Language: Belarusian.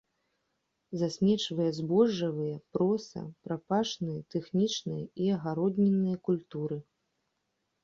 Засмечвае збожжавыя, проса, прапашныя, тэхнічныя і агароднінныя культуры.